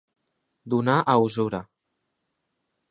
Donar a usura.